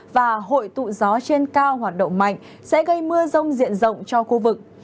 và hội tụ gió trên cao hoạt động mạnh sẽ gây mưa rông diện rộng cho khu vực